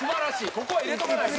ここは入れとかないと。